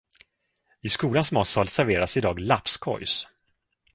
I skolans matsal serveras idag lapskojs.